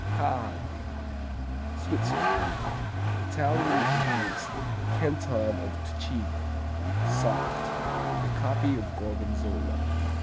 Paglia Switzerland Italian influenced Canton of Ticino. Soft. A copy of Gorgonzola.